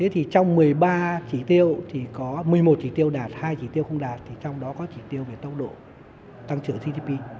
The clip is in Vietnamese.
trong một mươi một chỉ tiêu đạt hai chỉ tiêu không đạt trong đó có chỉ tiêu về tốc độ tăng trưởng gdp